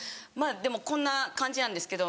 こんな感じなんですけど。